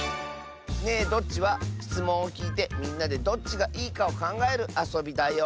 「ねえどっち？」はしつもんをきいてみんなでどっちがいいかをかんがえるあそびだよ。